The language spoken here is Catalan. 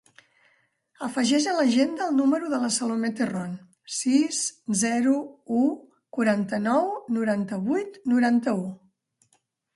Afegeix a l'agenda el número de la Salomé Terron: sis, zero, u, quaranta-nou, noranta-vuit, noranta-u.